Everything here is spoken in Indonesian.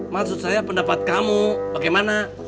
maksud saya pendapat kamu bagaimana